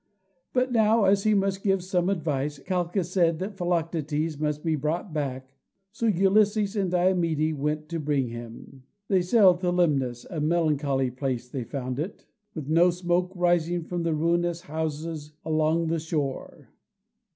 But now, as he must give some advice, Calchas said that Philoctetes must be brought back, so Ulysses and Diomede went to bring him. They sailed to Lemnos, a melancholy place they found it, with no smoke rising from the ruinous houses along the shore.